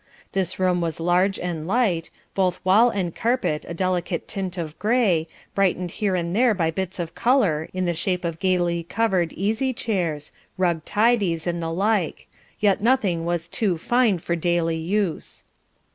This room was large and light, both wall and carpet a delicate tint of grey, brightened here and there by bits of colour in the shape of gaily covered easy chairs, rug tidies, and the like, yet nothing was too fine for daily use.